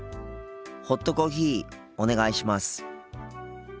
ホットコーヒーお願いします。